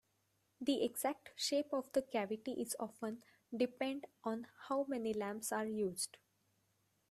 The exact shape of the cavity is often dependent on how many lamps are used.